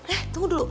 eh tunggu dulu